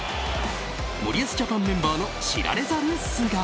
森保ジャパンメンバーの知られざる素顔。